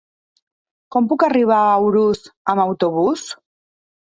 Com puc arribar a Urús amb autobús?